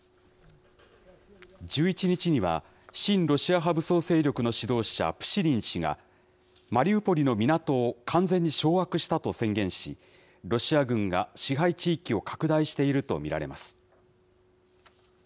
１１日には、親ロシア派武装勢力の指導者、プシリン氏が、マリウポリの港を完全に掌握したと宣言し、ロシア軍が支配地域を拡大していると見られます。